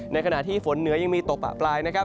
ในขณะที่ฝนเหนือยังมีตกปะปลายนะครับ